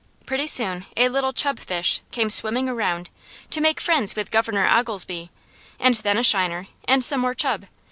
Pretty soon a little chub fish came swimming around to make friends with Governor Oglesby, and then a shiner and some more chub.